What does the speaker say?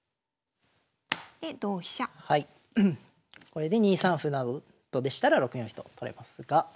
これで２三歩などでしたら６四飛と取れますが。